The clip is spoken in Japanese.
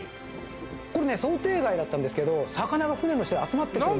これね想定外だったんですけど魚が船の下に集まってくるんです。